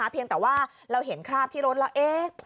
เพียงแต่ว่าเราเห็นคราบที่รถแล้ว